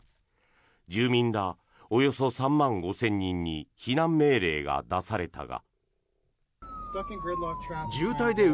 住民らおよそ３万５０００人に避難命令が出されたが。